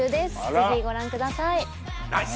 ぜひご覧くださいナイス！